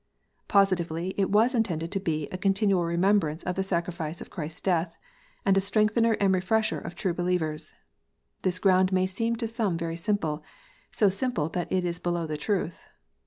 Positively, it was intended to be a " continual remem brance of the sacrifice of Christ s death," and a strengthener and refresher of true believers. This ground may seem to some very simple, so simple that it is below the truth.